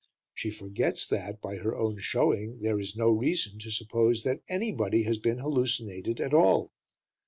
She forgets that, by her own showing, there is no reason to suppose that anybody has been hallucinated at all.